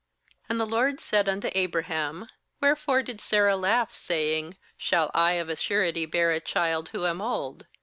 "And the LORD said unto Abraham: 'Wherefore did Sarah laugh, saying: Shall I of a surety bear a child, who am old?